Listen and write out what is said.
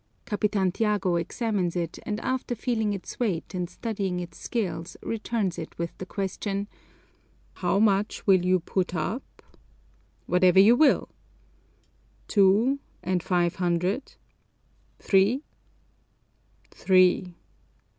Capitan Tiago examines it and after feeling its weight and studying its scales returns it with the question, "How much will you put up?" "Whatever you will." "Two, and five hundred?" "Three?" "Three!"